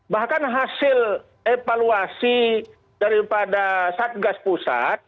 bahkan hasil evaluasi daripada satgas pusat